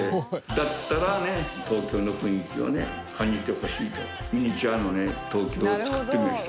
だったらね東京の雰囲気を感じてほしいとミニチュアの東京を作ってみました。